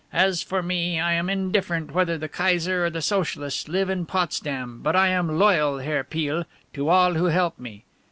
As for me I am indifferent whether the Kaiser or the Socialists live in Potsdam, but I am loyal, Herr Peale, to all who help me.